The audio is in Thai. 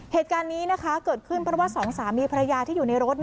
เหตุการณ์นี้นะคะเกิดขึ้นเพราะว่าสองสามีภรรยาที่อยู่ในรถ